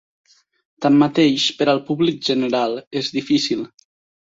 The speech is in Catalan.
Tanmateix, per al públic general és difícil.